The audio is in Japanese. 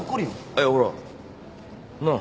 あっいやほらなあ